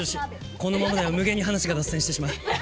このままでは無限に話が脱線してしまう。